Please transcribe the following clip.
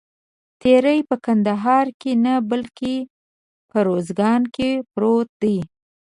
تیری په کندهار کې نه بلکې په اوروزګان کې پروت دی.